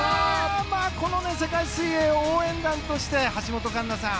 この世界水泳応援団として橋本環奈さん